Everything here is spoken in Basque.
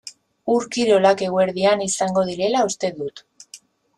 Ur-kirolak eguerdian izango direla uste dut.